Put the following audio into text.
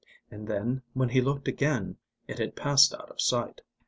And then, when he looked again, it had passed out of sight.